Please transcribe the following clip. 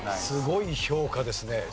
すごい評価ですね。